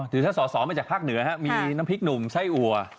ถือถ้าสอสอมาจากภาคเหนือมีน้ำพริกหนุ่มไส้อัว